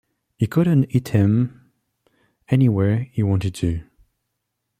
He could hit 'em anywhere he wanted to.